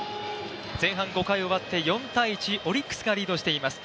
前半５回終わって、４−１、オリックスがリードしています。